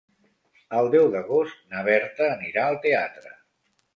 El deu d'agost na Berta anirà al teatre.